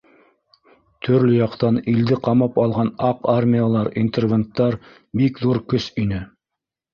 Төрлө яҡтан илде ҡамап алған аҡ армиялар, интервенттар бик ҙур көс ине.